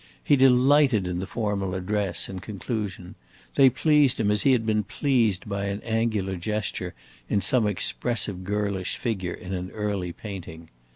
He delighted in the formal address and conclusion; they pleased him as he had been pleased by an angular gesture in some expressive girlish figure in an early painting.